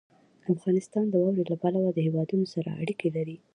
افغانستان د واورې له پلوه له هېوادونو سره اړیکې لري.